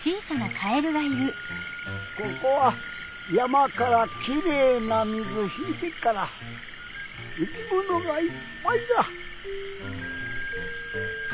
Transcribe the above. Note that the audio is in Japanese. ここは山からきれいな水引いてっから生きものがいっぱいだ。